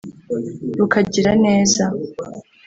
rukagira neza